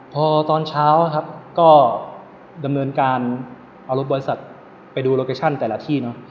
พอตอนเช้าครับก็ดำเนินการเอารถบริษัทไปดูโลเคชั่นแต่ละที่เนอะ